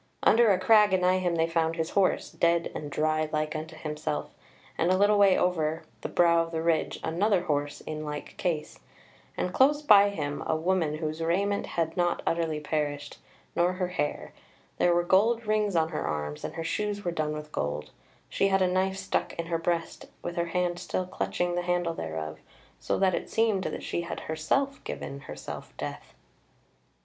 Under a crag anigh him they found his horse, dead and dry like to himself; and a little way over the brow of the ridge another horse in like case; and close by him a woman whose raiment had not utterly perished, nor her hair; there were gold rings on her arms, and her shoes were done with gold: she had a knife stuck in her breast, with her hand still clutching the handle thereof; so that it seemed that she had herself given herself death.